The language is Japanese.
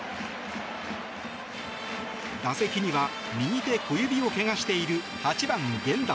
打席には右手小指を怪我している８判、源田。